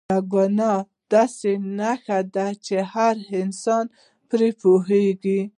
دا د ګناه داسې نښه ده چې هر انسان پرې پوهېږي.